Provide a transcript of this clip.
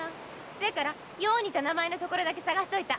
せやからよう似た名前の所だけ探しといた。